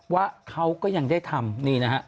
ว่าเขาก็ยังได้ทำนี่นะฮะ